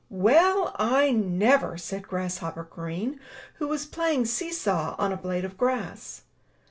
"Well, I never!*' said Grasshopper Green, who was playing see saw on a blade of grass.